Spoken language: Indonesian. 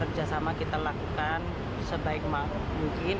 jadi kita juga akan terus menyempurnakan